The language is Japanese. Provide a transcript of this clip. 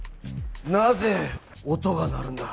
なぜ音が鳴るんだ？